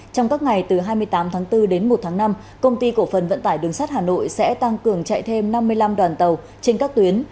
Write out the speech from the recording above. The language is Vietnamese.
trong các ngày từ hai mươi tám tháng bốn đến một tháng năm công ty cổ phần vận tải đường sắt hà nội sẽ tăng cường chạy thêm năm mươi năm đoàn tàu trên các tuyến